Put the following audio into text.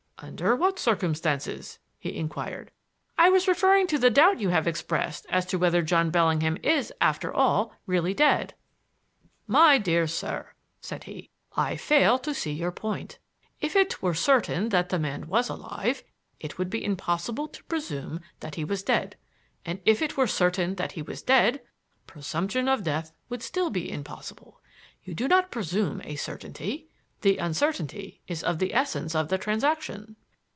"Under what circumstances?" he inquired. "I was referring to the doubt you have expressed as to whether John Bellingham is, after all, really dead." "My dear sir," said he, "I fail to see your point. If it were certain that the man was alive, it would be impossible to presume that he was dead; and if it were certain that he was dead, presumption of death would still be impossible. You do not presume a certainty. The uncertainty is of the essence of the transaction."